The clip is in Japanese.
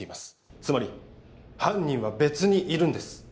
つまり犯人は別にいるんです